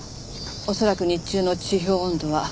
恐らく日中の地表温度は６０度以上。